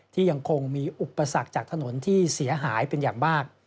ยังคงมีอุปสรรคจากถนนที่เสียหายเป็นอย่างมาก